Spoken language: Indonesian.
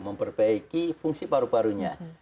memperbaiki fungsi paru parunya